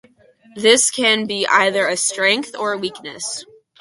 This can be either a strength or a weakness.